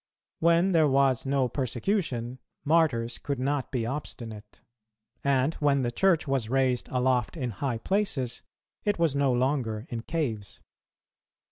When there was no persecution, Martyrs could not be obstinate; and when the Church was raised aloft in high places, it was no longer in caves.